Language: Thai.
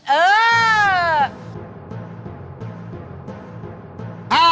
เออ